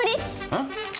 うん？